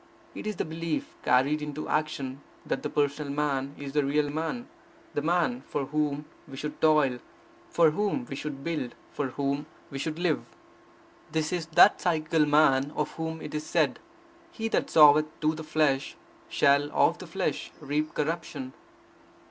It is the belief, carried into action, that the personal man is the real man, the man for whom we should toil, for whom we should build, for whom we should live. This is that psychical man of whom it is said: he that soweth to the flesh, shall of the flesh reap corruption.